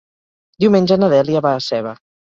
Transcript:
Diumenge na Dèlia va a Seva.